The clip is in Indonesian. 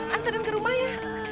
antarin ke rumah ya